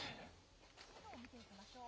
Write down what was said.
進路を見ていきましょう。